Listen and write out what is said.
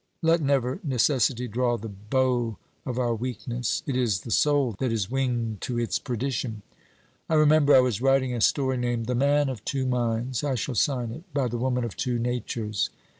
let never Necessity draw the bow of our weakness: it is the soul that is winged to its perdition. I remember I was writing a story, named THE MAN OF TWO MINDS. I shall sign it, By the Woman of Two Natures.